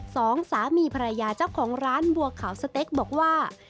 สองสามีภรรยาเจ้าของร้านบัวขาวสเต็กบอกว่า